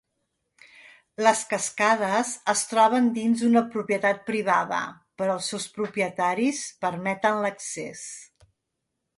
Les cascades es troben dins d'una propietat privada, però els seus propietaris permeten l'accés.